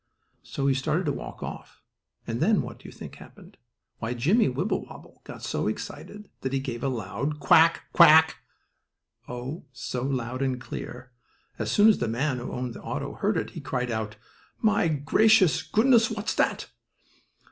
So he started to walk off, and then what do you think happened? Why, Jimmie Wibblewobble got so excited that he gave a loud "Quack Quack!" Oh, so loud and clear! As soon as the man who owned the auto heard it he cried out, "My gracious goodness! What's that?"